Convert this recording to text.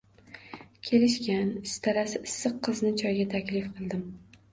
Kelishgan, istarasi issiq qizni choyga taklif qildim